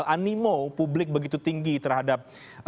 animo publik begitu tinggi terhadap